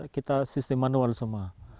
kita sistem manual semua